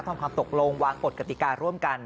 ทำความตกลงวางกฎกติการ่วมกัน